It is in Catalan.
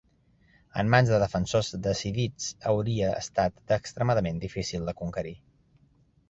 En mans de defensors decidits, hauria estat extremadament difícil de conquerir.